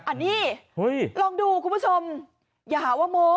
อันนี้ลองดูคุณผู้ชมอย่าหาว่าโม้